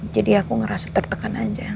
jadi aku ngerasa tertekan aja